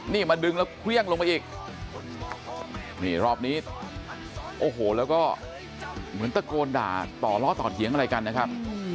นี่มาดึงแล้วเครื่องลงไปอีกนี่รอบนี้โอ้โหแล้วก็เหมือนตะโกนด่าต่อล้อต่อเถียงอะไรกันนะครับ